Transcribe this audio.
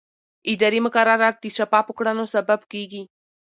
اداري مقررات د شفافو کړنو سبب کېږي.